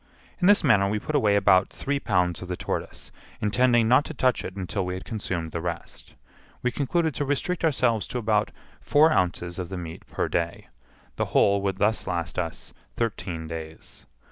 In this manner we put away about three pounds of the tortoise, intending not to touch it until we had consumed the rest. We concluded to restrict ourselves to about four ounces of the meat per day; the whole would thus last us thirteen days.